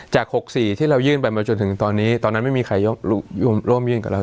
๖๔ที่เรายื่นไปมาจนถึงตอนนี้ตอนนั้นไม่มีใครร่วมยื่นกับเรา